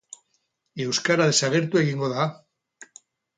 Euskara desagertu egingo da?